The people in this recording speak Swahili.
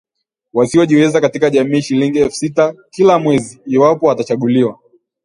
wasiojiweza katika jamii shilingi elfu sita kila mwezi iwapo atachaguliwa